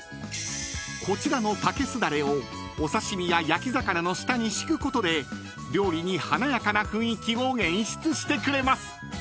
［こちらの竹すだれをお刺し身や焼き魚の下に敷くことで料理に華やかな雰囲気を演出してくれます］